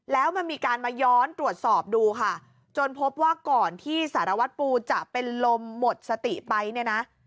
แล้วมันมีการมาย้อนตรวจสอบดูค่ะจนพบว่าก่อนที่สารวัตรปูจะเป็นลมหมดสติไปเนี่ยนะ